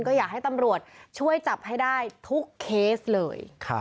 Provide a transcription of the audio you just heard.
ก็อยากให้ตำรวจช่วยจับให้ได้ทุกเคสเลย